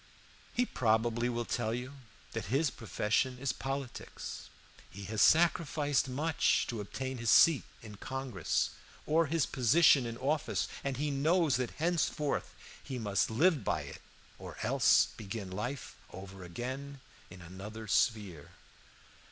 He probably will tell you that his profession is politics. He has sacrificed much to obtain his seat in Congress, or his position in office, and he knows that henceforth he must live by it or else begin life over again in another sphere.